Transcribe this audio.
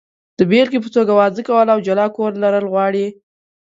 د بېلګې په توګه، واده کول او جلا کور لرل غواړي.